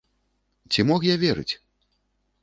Ці мог я верыць?